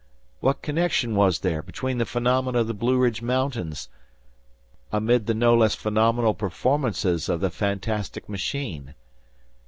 What connection was there between the phenomena of the Blueridge Mountains, arid the no less phenomenal performances of the fantastic machine?